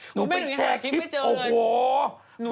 หนูไปแชร์คลิปโอ้โห